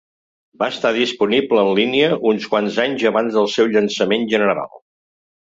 Va estar disponible en línia uns quants anys abans del seu llançament general.